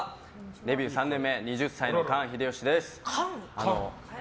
デビュー３年目２０歳の簡秀吉です。